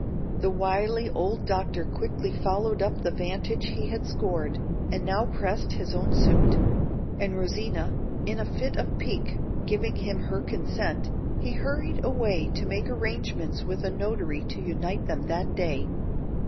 The wily old Doctor quickly followed up the vantage he had scored, and now pressed his own suit; and Rosina, in a fit of pique, giving him her consent, he hurried away to make arrangements with a notary to unite them that day.